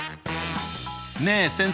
ねえ先生。